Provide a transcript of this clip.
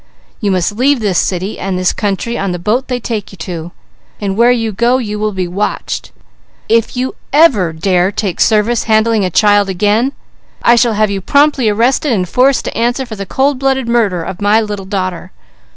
You must leave this city and this country on the boat they take you to, and where you go you will be watched; if ever you dare take service handling a child again, I shall have you promptly arrested and forced to answer for the cold blooded murder of my little daughter.